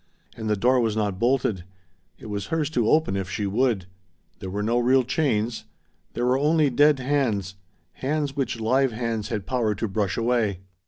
And the door was not bolted. It was hers to open, if she would. There were no real chains. There were only dead hands, hands which live hands had power to brush away.